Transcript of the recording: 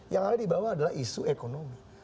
yang ada di bawah adalah isu ekonomi